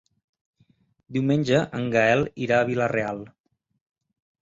Diumenge en Gaël irà a Vila-real.